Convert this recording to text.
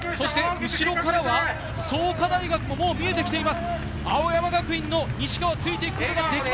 後ろからは創価大学も見えてきています。